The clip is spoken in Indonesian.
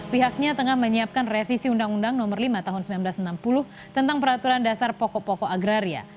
pihaknya tengah menyiapkan revisi undang undang nomor lima tahun seribu sembilan ratus enam puluh tentang peraturan dasar pokok pokok agraria